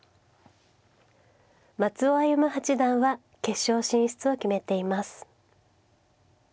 松尾歩八段は決勝進出を決めています。